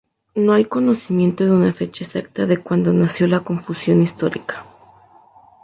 No hay conocimiento de una fecha exacta de cuándo nació la confusión histórica.